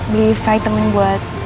beli vitamin buat